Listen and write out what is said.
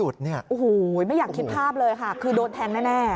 โอ้โหไม่อยากคิดภาพเลยค่ะคือโดนแทงแน่